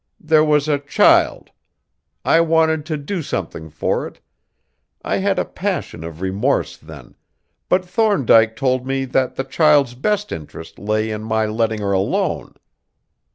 There was a child! I wanted to do something for it; I had a passion of remorse then, but Thorndyke told me that the child's best interest lay in my letting her alone.